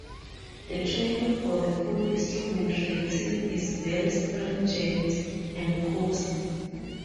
The training for the full Instrument Rating is very stringent and costly.